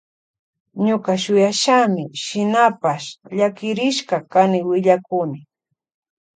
Ñuka shuyashami shinapash llakirishka kani willakuni.